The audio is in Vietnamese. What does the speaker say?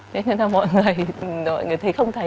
nên là mọi người thấy không thấy